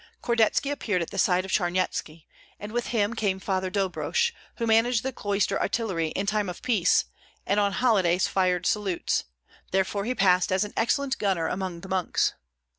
Kordetski appeared at the side of Charnyetski, and with him came Father Dobrosh, who managed the cloister artillery in time of peace, and on holidays fired salutes; therefore he passed as an excellent gunner among the monks.